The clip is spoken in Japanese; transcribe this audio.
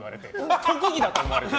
特技だと思われてる。